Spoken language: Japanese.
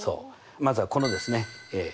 まずはこのですね